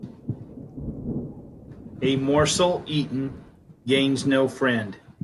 A morsel eaten gains no friend.